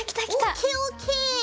ＯＫＯＫ！